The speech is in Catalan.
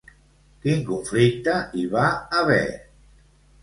Quin conflicte hi va haver?